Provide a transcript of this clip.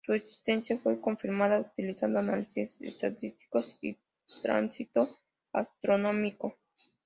Su existencia fue confirmada utilizando análisis estadístico y tránsito astronómico.